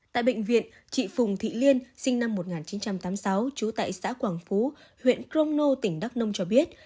tại bệnh viện chị phùng thị liên sinh năm một nghìn chín trăm tám mươi sáu trú tại xã quảng phú huyện crono tỉnh đắk nông cho biết